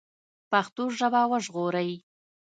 پښتو ژبه وژغورئ